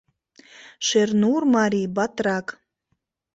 Шернур марий, батрак.